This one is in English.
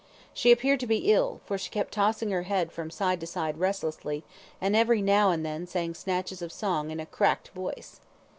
She appeared to be ill, for she kept tossing her head from side to side restlessly, and every now and then sang snatches of song in a cracked voice.